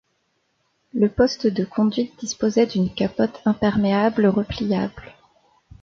Le poste de conduite diposait d'une capote imperméable repliable.